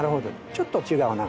ちょっと違うな。